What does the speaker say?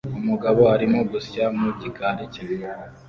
Umugabo arimo gusya mu gikari cye